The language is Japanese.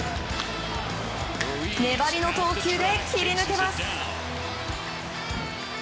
粘りの投球で切り抜けます。